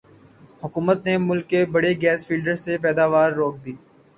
حکومت نے ملک کے بڑے گیس فیلڈز سے پیداوار روک دی